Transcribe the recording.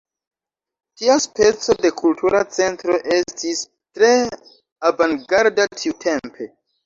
Tia speco de kultura centro estis tre avangarda tiutempe.